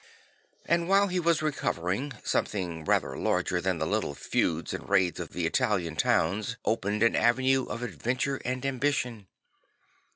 And while he was recovering, some thing rather larger than the little feuds and raids of the Italian towns opened an a venue of adventure and ambition.